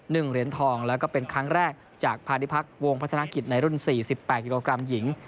เหรียญทองแล้วก็เป็นครั้งแรกจากพาณิพักษ์วงพัฒนากิจในรุ่นสี่สิบแปดกิโลกรัมหญิง